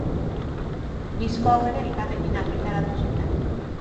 Disko hau ere Elkarrekin argitaratu zuten.